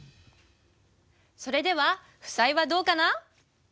それでは負債はどうかな？